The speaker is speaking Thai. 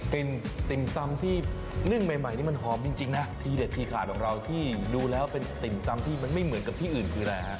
ติ่มตำที่นึ่งใหม่นี่มันหอมจริงนะทีเด็ดทีขาดของเราที่ดูแล้วเป็นติ่มตำที่มันไม่เหมือนกับที่อื่นคืออะไรฮะ